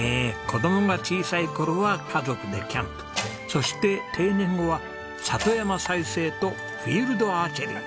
子供が小さい頃は家族でキャンプそして定年後は里山再生とフィールドアーチェリー。